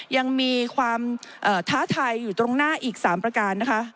ยังมีความท้าทายอยู่ตรงหน้าอีก๓ประการนะคะ